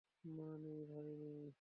মা নেই, ভাই নেই।